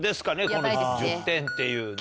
この１０点っていうね。